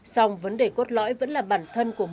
xong vấn đề cốt lõi vẫn là bản thân của mình